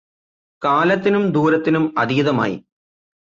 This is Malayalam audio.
കാലത്തിനും ദൂരത്തിനും അതീതമായി